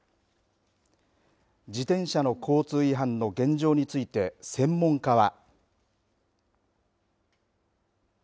自転車の交通違反の現状について専門家は。